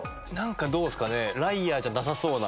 どうっすかね。